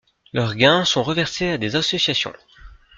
Leur gains sont reversés à des associations.